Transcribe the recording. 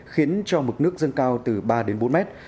khiến cho mực nước dâng cao từ ba đến bốn mét